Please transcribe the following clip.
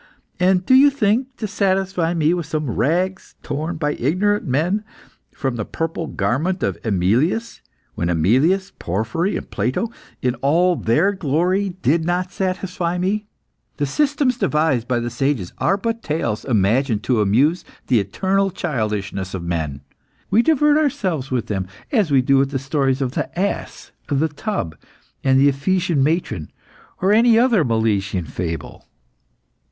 And do you think to satisfy me with some rags, torn by ignorant men from the purple garment of AEmilius, when AEmilius, Porphyry, and Plato, in all their glory, did not satisfy me! The systems devised by the sages are but tales imagined to amuse the eternal childishness of men. We divert ourselves with them, as we do with the stories of The Ass, The Tub, and The Ephesian Matron, or any other Milesian fable."